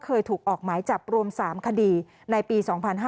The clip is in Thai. เคยถูกออกหมายจับรวม๓คดีในปี๒๕๕๙